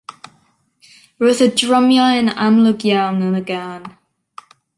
Roedd y drymiau yn amlwg iawn yn y gân.